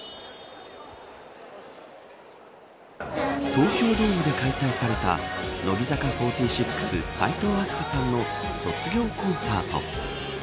東京ドームで開催された乃木坂４６、齋藤飛鳥さんの卒業コンサート。